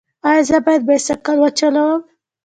ایا زه باید سایکل وچلوم؟